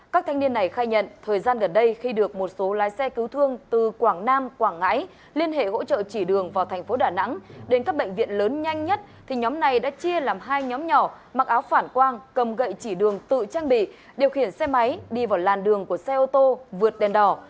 các thanh niên này khai nhận thời gian gần đây khi được một số lái xe cứu thương từ quảng nam quảng ngãi liên hệ hỗ trợ chỉ đường vào thành phố đà nẵng đến các bệnh viện lớn nhanh nhất thì nhóm này đã chia làm hai nhóm nhỏ mặc áo phản quang cầm gậy chỉ đường tự trang bị điều khiển xe máy đi vào làn đường của xe ô tô vượt đèn đỏ